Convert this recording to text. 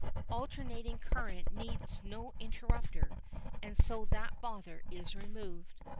Alternating current needs no interrupter, and so that bother is removed.